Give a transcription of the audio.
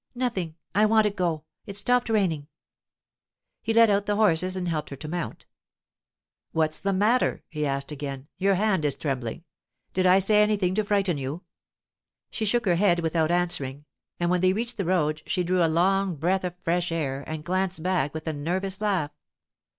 'Nothing. I want to go. It's stopped raining.' He led out the horses and helped her to mount. 'What's the matter?' he asked again, 'Your hand is trembling. Did I say anything to frighten you?' She shook her head without answering, and when they reached the road she drew a long breath of fresh air and glanced back with a nervous laugh.